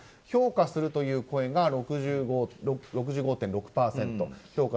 評価するという声が６５．６％